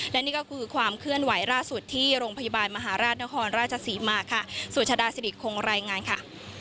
และนี่ก็คือความเคลื่อนไหวล่าสุดที่โรงพยาบาลมหาราชนครราชศรีมาค่ะสุชาดาสิริคงรายงานค่ะ